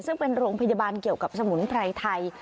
ซึ่งเป็นโรงพยาบาลเกี่ยวกับสมุนไพรไทย